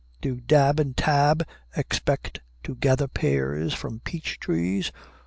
Do Dab and Tab expect to gather pears from peach trees?